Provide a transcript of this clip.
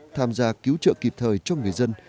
tham gia cứu trợ kịp thời cho người dân